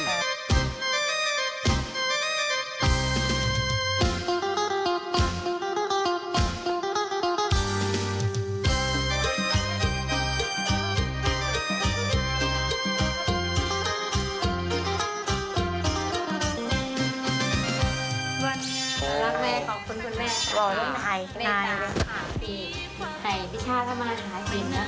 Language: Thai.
รักแม่ขอบคุณคุณแม่ค่ะใน๓๔ปีไข่พิชาติเข้ามาขายกลิ่นนะคะ